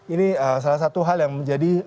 ini salah satu hal yang menjadi